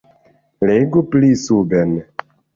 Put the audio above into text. Legu pli suben.